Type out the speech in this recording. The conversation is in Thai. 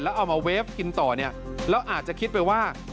เอามาเฟฟกินต่อเนี่ยแล้วอาจจะคิดไปว่า